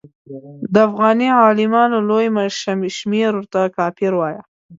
د افغاني عالمانو لوی شمېر ورته کافر وایه.